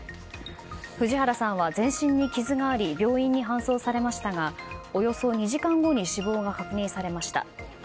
藤原さんは全身に傷があり病院に搬送されましたがおよそ２時間後に死亡が確認されました。